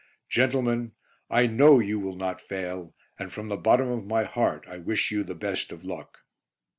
Gentlemen, I know you will not fail, and from the bottom of my heart I wish you the best of luck."